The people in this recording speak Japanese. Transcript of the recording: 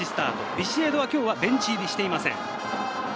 ビシエドはベンチ入りしていません。